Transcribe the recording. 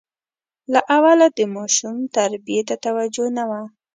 له اوله د ماشوم تربیې ته توجه نه وه.